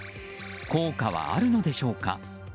効果はあるのでしょうか。